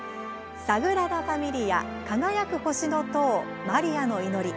「サグラダ・ファミリア輝く星の塔マリアの祈り」